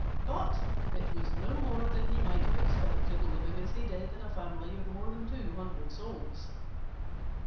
But it was no more than he might have expected, living as he did in a family of more than two hundred souls.